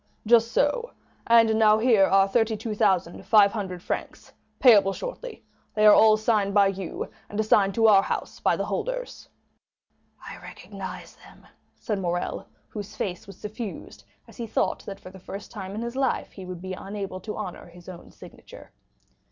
"Just so; and now here are 32,500 francs payable shortly; they are all signed by you, and assigned to our house by the holders." "I recognize them," said Morrel, whose face was suffused, as he thought that, for the first time in his life, he would be unable to honor his own signature.